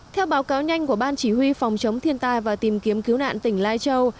theo báo cáo nhanh của ban chỉ huy phòng chống thiên tai và tìm kiếm cứu nạn tỉnh lai châu